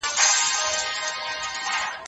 که پوهه وي نو شاله نه وي.